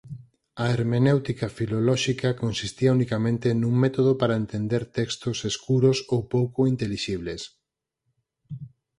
A hermenéutica filolóxica consistía unicamente nun método para entender textos escuros ou pouco intelixibles.